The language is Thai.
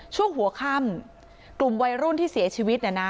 ช่วงหัวค่ำกลุ่มวัยรุ่นที่เสียชีวิตเนี่ยนะ